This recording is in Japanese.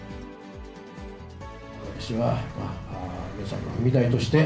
私は、皆さんの踏み台として、